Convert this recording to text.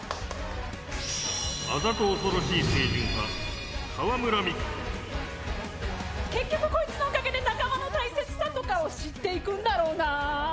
あざと恐ろしい清純派、結局、こいつのおかげで仲間の大切さとかを知っていくんだろうな。